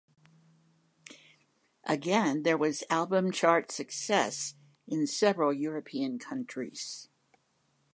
Again there was album chart success in several European countries.